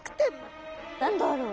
何だろう？